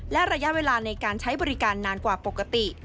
และระยะเวลาในการใช้บริการนานกว่าปกติ